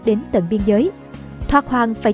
đến tận biên giới thoạt hoàng phải